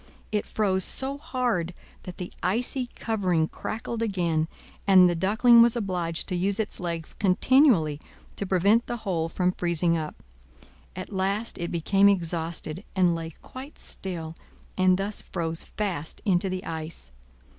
It froze so hard that the icy covering crackled again; and the Duckling was obliged to use its legs continually to prevent the hole from freezing up. At last it became exhausted, and lay quite still, and thus froze fast into the ice.